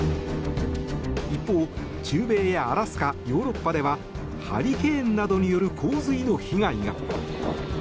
一方、中米やアラスカヨーロッパではハリケーンなどによる洪水の被害が。